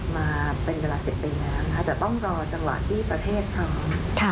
มาเป็นเวลา๑๐ปีน้ำนะคะแต่ต้องรอจังหวะที่ประเทศพร้อมค่ะ